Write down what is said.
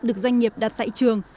được doanh nghiệp đặt tại trường